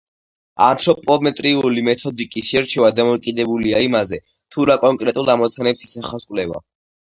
ანთროპომეტრიული მეთოდიკის შერჩევა დამოკიდებულია იმაზე, თუ რა კონკრეტულ ამოცანებს ისახავს კვლევა.